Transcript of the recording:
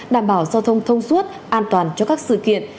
đảm bảo giao thông thông suốt an toàn cho các sự kiện